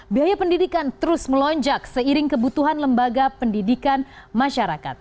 biaya pendidikan terus melonjak seiring kebutuhan lembaga pendidikan masyarakat